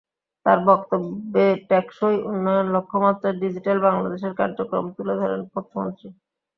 তাঁর বক্তব্যে টেকসই উন্নয়ন লক্ষ্যমাত্রায় ডিজিটাল বাংলাদেশের কার্যক্রম তুলে ধরেন প্রতিমন্ত্রী।